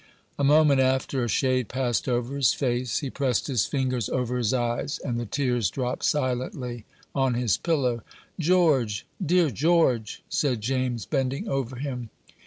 A moment after, a shade passed over his face; he pressed his fingers over his eyes, and the tears dropped silently on his pillow. "George! dear George!" said James, bending over him.